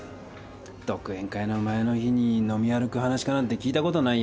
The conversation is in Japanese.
独演会の前の日に飲み歩く噺家なんて聞いたことないよ。